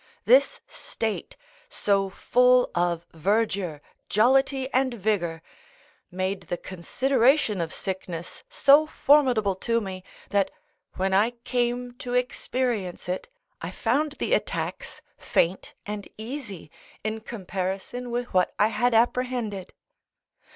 This state, so full of verdure, jollity, and vigour, made the consideration of sickness so formidable to me, that when I came to experience it, I found the attacks faint and easy in comparison with what I had apprehended.